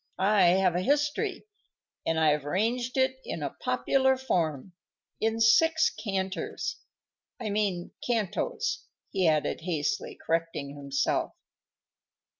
I have a history, and I've arranged it in a popular form, in six canters, I mean cantos," he added, hastily correcting himself.